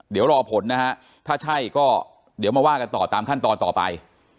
เดี๋ยวรอผลนะฮะถ้าใช่ก็เดี๋ยวมาว่ากันต่อตามขั้นตอนต่อไป